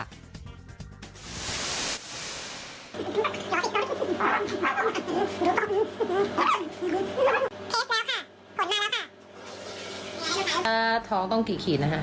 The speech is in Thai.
เทสแล้วค่ะผลมาแล้วค่ะอ่าท้องต้องขีดขีดนะฮะ